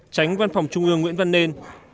tránh văn phòng trung ương nguyễn văn nên